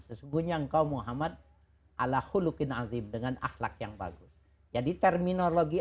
sesungguhnya engkau muhammad ala hulukin azim dengan ahlak yang bagus jadi terminologi